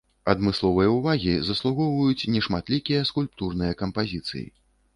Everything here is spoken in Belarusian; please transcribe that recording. Адмысловай увагі заслугоўваюць нешматлікія скульптурныя кампазіцыі.